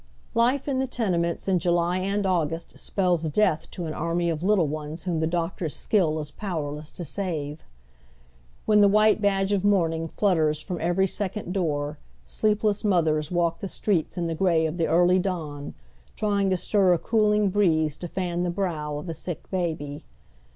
Life in the tenements ia July and August spells death to an army of little ones whom the doctor's skill is powerless to save. When the white badge of mourning flutters from every second door, sleep less mothers walk the streets in the gray of the early dawn, trying to stir a cooling breeze to fan the brow of the sick baby.